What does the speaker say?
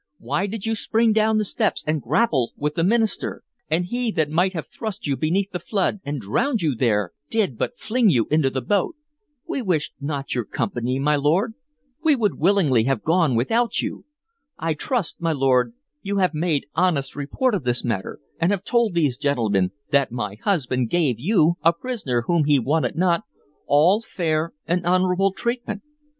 Why did you spring down the steps and grapple with the minister? And he that might have thrust you beneath the flood and drowned you there did but fling you into the boat. We wished not your company, my lord; we would willingly have gone without you. I trust, my lord, you have made honest report of this matter, and have told these gentlemen that my husband gave you, a prisoner whom he wanted not, all fair and honorable treatment.